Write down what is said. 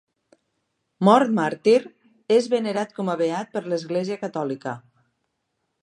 Mort màrtir, és venerat com a beat per l'Església catòlica.